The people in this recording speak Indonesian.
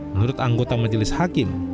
menurut anggota majelis hakim